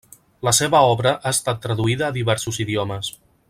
La seva obra ha estat traduïda a diversos idiomes.